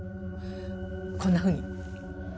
こんなふうに。